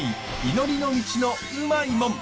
祈りの道のウマイもん。